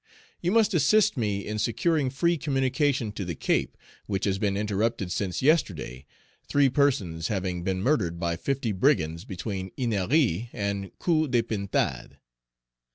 You must assist me in securing free communication to the Cape, which has been interrupted since yesterday, three persons having been murdered by fifty brigands between Ennery and Coupe à Pintade.